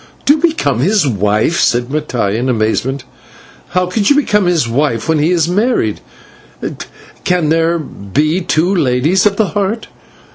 "To become his wife!" said Mattai, in amazement. "How could you become his wife when he is married? Can there then be two Ladies of the Heart?"